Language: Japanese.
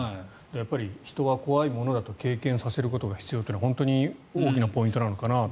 人は怖いものだと経験させることが必要だというのは大きなポイントなのかなと。